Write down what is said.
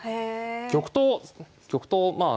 玉頭を玉頭まあ